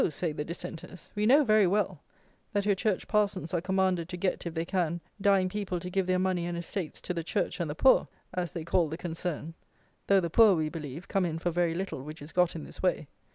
say the Dissenters, "we know very well, that your Church Parsons are commanded to get, if they can, dying people to give their money and estates to the Church and the poor, as they call the concern, though the poor, we believe, come in for very little which is got in this way.